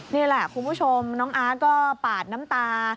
นี่แหละคุณผู้ชมน้องอาร์ตก็ปาดน้ำตา